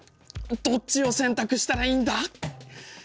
どっちを選択したらいいんだ！？